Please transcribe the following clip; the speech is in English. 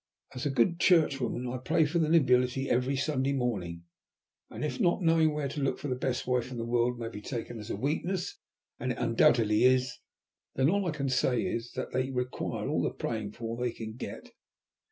As a good churchwoman I pray for the nobility every Sunday morning; and if not knowing where to look for the best wife in the world may be taken as a weakness, and it undoubtedly is, then all I can say is, that they require all the praying for they can get!"